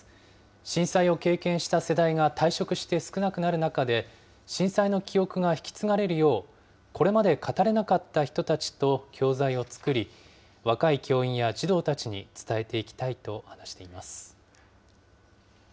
震災を経験した世代が退職して少なくなる中で、震災の記憶が引き継がれるよう、これまで語れなかった人たちと教材を作り、若い教員や児童たちに伝えていきたいと話しています。